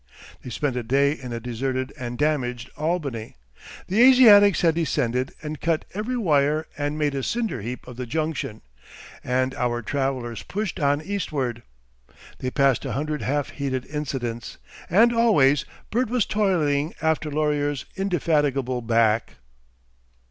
They spent a day in a deserted and damaged Albany. The Asiatics had descended and cut every wire and made a cinder heap of the Junction, and our travellers pushed on eastward. They passed a hundred half heeded incidents, and always Bert was toiling after Laurier's indefatigable back....